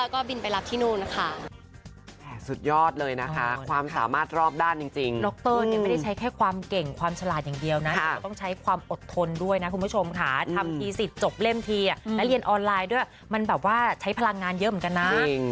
แล้วก็บินไปรับที่นู่นนะคะ